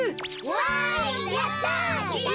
わいやった！